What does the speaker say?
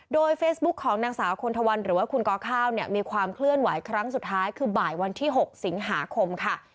โดยเฟซบุ๊คของนางสาวคนทวันหรือว่าคุณกข้าวเนี่ยมีความเคลื่อนไหวครั้งสุดท้ายคือบ่ายวันที่๖สิงหาคมค่ะ